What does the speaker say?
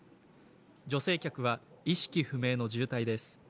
女性客は意識不明の重体です。